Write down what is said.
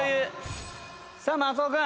さあ松尾君。